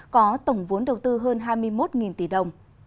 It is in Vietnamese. có tổng vốn đầu tư hơn hai mươi một tỷ đồng